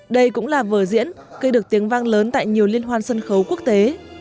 đây cũng là vở diễn gây được tiếng vang lớn tại nhiều liên hoan sân khấu quốc tế